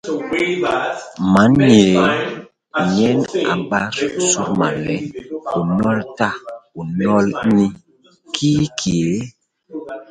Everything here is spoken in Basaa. Man nyéé nyen a bat sudman le, u nnol ta u nnol ini, kii ki ?